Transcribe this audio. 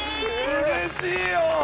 うれしいよ！